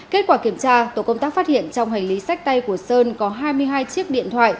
kết quả kiểm tra tổ công tác phát hiện trong hành lý sách tay của sơn có hai mươi hai chiếc điện thoại